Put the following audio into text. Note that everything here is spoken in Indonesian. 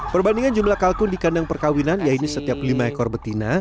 perbandingan jumlah kalkun di kandang perkawinan yaitu setiap lima ekor betina